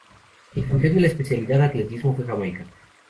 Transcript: El campeón de la especialidad Atletismo fue Jamaica.